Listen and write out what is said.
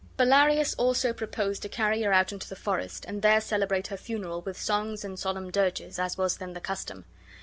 Bellarius also proposed to carry her out into the forest, and there celebrate her funeral with songs and solemn dirges, as was then the custom.